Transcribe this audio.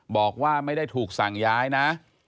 บอกว่าไม่ได้ถูกสั่งย้ายนะ